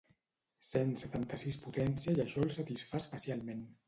Cent setanta-sis potència i això el satisfà especialment.